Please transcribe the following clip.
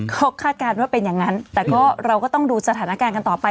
เขาคาดการณ์ว่าเป็นอย่างนั้นแต่ก็เราก็ต้องดูสถานการณ์กันต่อไป